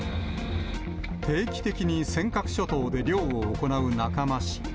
定期的に尖閣諸島で漁を行う仲間氏。